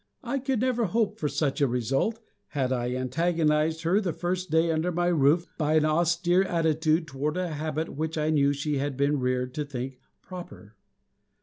I could never hope for such a result, had I antagonized her the first day under my roof by an austere attitude toward a habit which I knew she had been reared to think proper.